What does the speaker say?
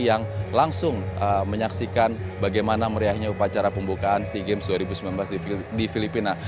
yang langsung menyaksikan bagaimana meriahnya upacara pembukaan sea games dua ribu sembilan belas di filipina